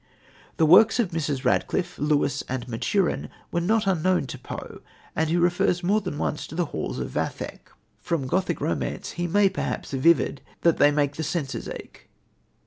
The works of Mrs. Radcliffe, Lewis, and Maturin were not unknown to Poe, and he refers more than once to the halls of Vathek. From Gothic romance he may perhaps vivid that they make the senses ache.